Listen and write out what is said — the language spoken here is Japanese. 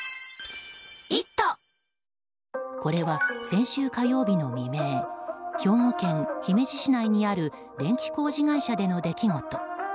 これは先週火曜日の未明兵庫県姫路市内にある電気工事会社での出来事。